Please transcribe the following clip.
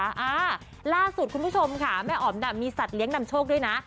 อ่าล่าสุดคุณผู้ชมค่ะแม่อ๋อมน่ะมีสัตว์เลี้ยงนำโชคด้วยนะ